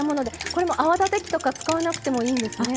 これも泡立て器とか使わなくてもいいんですね。